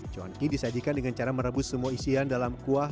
cuanki disajikan dengan cara merebus semua isian dalam kuah